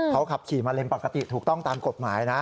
เขาขับขี่มาเลนปกติถูกต้องตามกฎหมายนะ